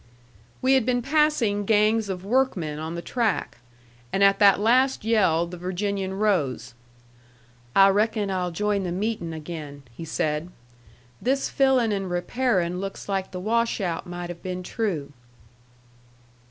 We had been passing gangs of workmen on the track. And at that last yell the Virginian rose. "I reckon I'll join the meeting again," he said. "This filling and repairing looks like the washout might have been true."